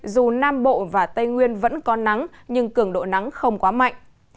dù nam bộ và tây nguyên vẫn có nắng nhưng cường độ nắng không quá mạnh